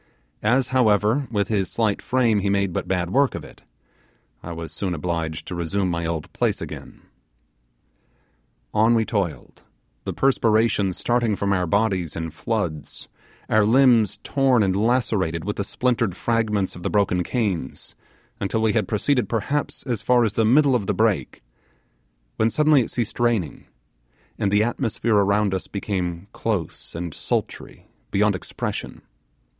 As however with his slight frame he made but bad work of it, I was soon obliged to resume my old place again. On we toiled, the perspiration starting from our bodies in floods, our limbs torn and lacerated with the splintered fragments of the broken canes, until we had proceeded perhaps as far as the middle of the brake, when suddenly it ceased raining, and the atmosphere around us became close and sultry beyond expression.